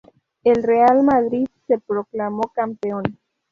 El Real Madrid se proclamó campeón.